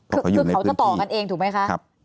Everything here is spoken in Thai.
คือเขาจะต่อกันเองถูกไหมคะ